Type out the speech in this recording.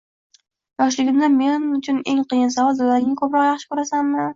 Yoshligimda men uchun eng qiyin savol dadangni ko‘proq yaxshi ko‘rasanmi